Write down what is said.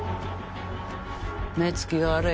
目つきが悪い。